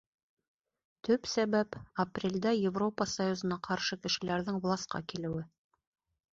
Төп сәбәп — апрелдә Европа союзына ҡаршы кешеләрҙең власҡа килеүе.